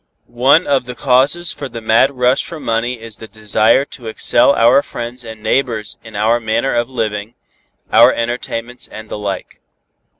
One of the causes for the mad rush for money is the desire to excel our friends and neighbors in our manner of living, our entertainments and the like.